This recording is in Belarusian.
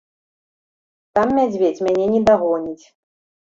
Там мядзведзь мяне не дагоніць.